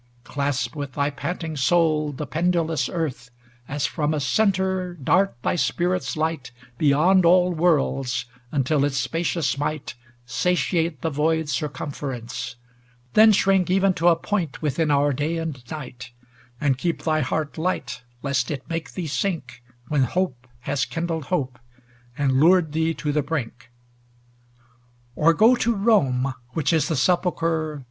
Clasp with thy panting soul the pendu lous Earth; As from a centre, dart thy spirit's light Beyond all worlds, until its spacious might Satiate the void circumference; then shrink Even to a point within our day and night; And keep th}' heart light lest it make thee sink When hope has kindled hope, and lured thee to the brink. XLVIII Or go to Rome, which is the sepulchre.